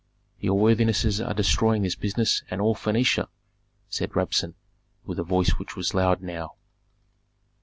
"Your worthinesses are destroying this business and all Phœnicia," said Rabsun, with a voice which was loud now.